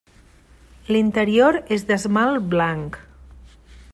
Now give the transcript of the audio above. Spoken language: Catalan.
L'interior és d'esmalt blanc.